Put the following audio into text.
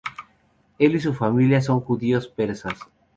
Él y su familia son judíos persas.